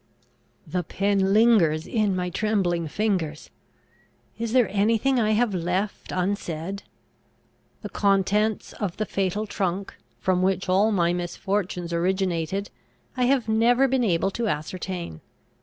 The pen lingers in my trembling fingers! Is there any thing I have left unsaid? The contents of the fatal trunk, from which all my misfortunes originated, I have never been able to ascertain.